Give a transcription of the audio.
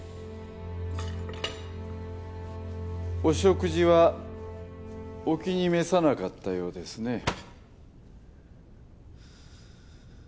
お食事はお気に召さなかったようですね。